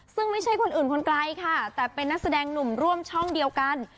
ซึ่งไม่ใช่คนอื่นคนไกลค่ะแต่เป็นนักแสดงหนุ่มร่วมช่องเดียวกัน